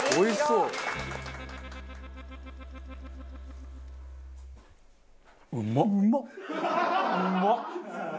うまっ！